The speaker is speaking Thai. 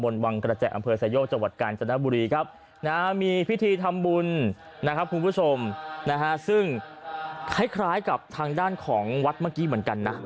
นะครับคุณผู้ชมซึ่งคล้ายกับทางด้านของวัดเมื่อกี้เหมือนกันนะ